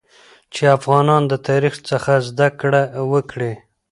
چې افغانان د تاریخ څخه زده کړه وکړي